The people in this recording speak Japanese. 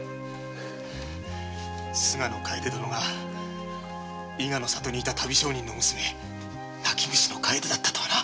菅野楓殿が伊賀の里にいた旅商人の娘泣き虫の楓とはな。